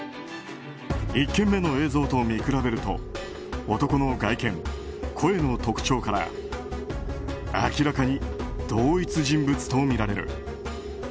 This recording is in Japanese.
１件目の映像と見比べると男の外見、声の特徴から明らかに同一人物とみられる。